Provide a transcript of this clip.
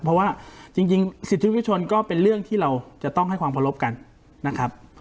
เพราะว่าจริงสิทธิวิชนก็เป็นเรื่องที่เราจะต้องให้ความเคารพกันนะครับ